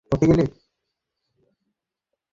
মহা পাপ হয়ে গেছে।